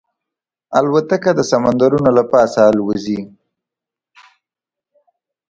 الوتکه د سمندرونو له پاسه الوزي.